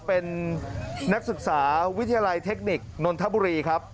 เป็นนักศึกษาวิทยาลัยเทคนิคนนนทบุรีครับ